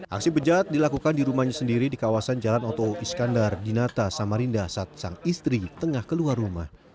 aksi bejat dilakukan di rumahnya sendiri di kawasan jalan oto iskandar di nata samarinda saat sang istri tengah keluar rumah